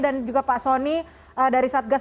dan juga pak soni dari satgas